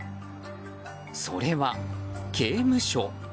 それは刑務所。